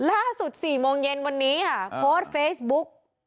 ๔โมงเย็นวันนี้ค่ะโพสต์เฟซบุ๊ก